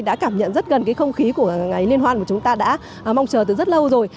đã cảm nhận rất gần cái không khí của ngày liên hoan của chúng ta đã mong chờ từ rất lâu rồi